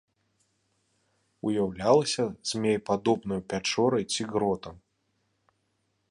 Уяўлялася змеепадобнаю пячорай ці гротам.